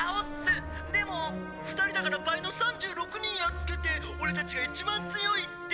「２人だから倍の３６人やっつけて俺たちが一番強いって」。